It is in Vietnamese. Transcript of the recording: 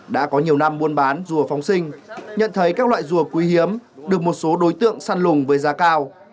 đã có nhiều năm buôn bán rùa phóng sinh nhận thấy các loại rùa quý hiếm được một số đối tượng săn lùng với giá cao